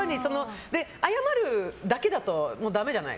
謝るだけだとダメじゃない。